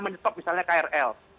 menyetop misalnya krl